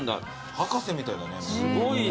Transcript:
博士みたいだね。